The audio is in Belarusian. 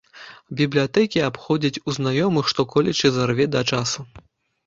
Бібліятэкі абходзіць, у знаёмых што-колечы зарве да часу.